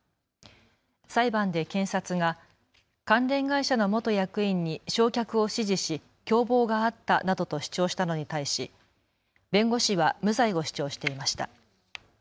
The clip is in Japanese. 裁判で検察が関連会社の元役員に焼却を指示し共謀があったなどと主張したのに対し弁護士は無罪を主張していました。